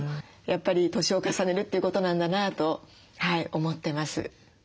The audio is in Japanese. やっぱり年を重ねるっていうことなんだなと思ってます。